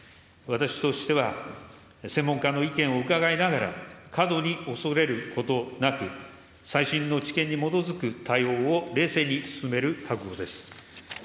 私としては、専門家の意見を伺いながら、過度に恐れることなく、最新の知見に基づく対応を冷静に進める覚悟です。